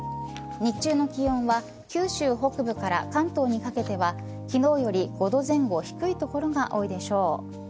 日中の気温は九州北部から関東にかけては昨日より５度前後低い所が多いでしょう。